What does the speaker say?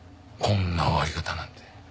こんな終わり方なんて。